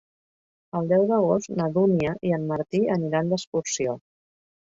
El deu d'agost na Dúnia i en Martí aniran d'excursió.